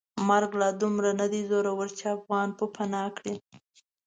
مرګ لا دومره ندی زورور چې افغان پوپناه کړي.